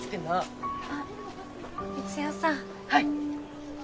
はい？